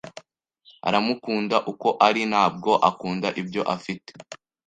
Aramukunda uko ari, ntabwo akunda ibyo afite.